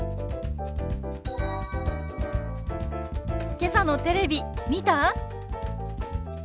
けさのテレビ見た？